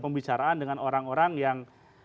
pembicaraan dengan orang orang yang